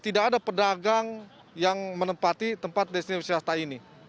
tidak ada pedagang yang menempati tempat destinasi wisata ini